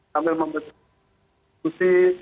sambil memutuskan diskusi